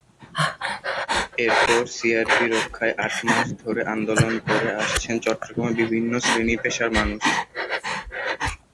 এরপর সিআরবি রক্ষায় আট মাস ধরে আন্দোলন করে আসছেন চট্টগ্রামের বিভিন্ন শ্রেণিপেশার মানুষ।